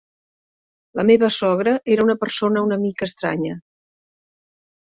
La meva sogra era una persona una mica estranya.